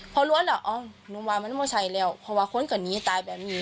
พอล้วนแล้วอ๋อหนูว่ามันไม่ใช่แล้วเพราะว่าคนก็หนีตายแบบนี้